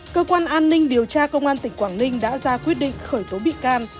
cơ quan an ninh điều tra công an tỉnh quảng ninh đã ra quyết định khởi tố bị can